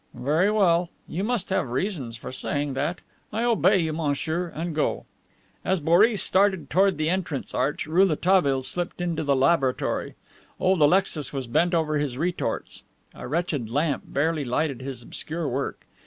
"Very well. You must have reasons for saying that. I obey you, monsieur, and go." As Boris started towards the entrance arch, Rouletabille slipped into the laboratory. Old Alexis was bent over his retorts. A wretched lamp barely lighted his obscure work.